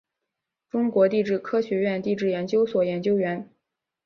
中国地质科学院地质研究所研究员。